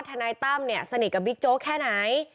ทนายตั้มเนี่ยสนิทกับบิ๊กโจ๊กแค่ไหน